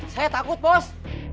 saya takut bos